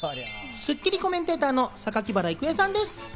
『スッキリ』コメンテーターの榊原郁恵さんです。